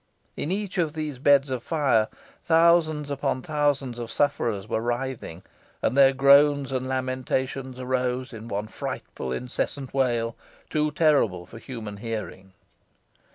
In each of these beds of fire thousands upon thousands of sufferers were writhing, and their groans and lamentations arose in one frightful, incessant wail, too terrible for human hearing.